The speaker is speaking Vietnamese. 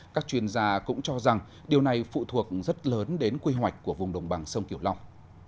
các chuyên gia cũng cho rằng điều này phụ thuộc rất lớn đến quy hoạch của vùng đồng bằng sông kiểu long